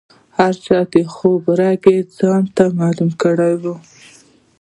هر چا د خوب رګ یې ځانته معلوم کړی وي.